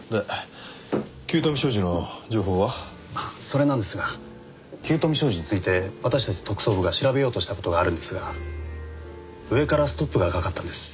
それなんですが九斗美商事について私たち特捜部が調べようとした事があるんですが上からストップがかかったんです。